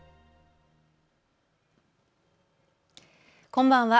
こんばんは。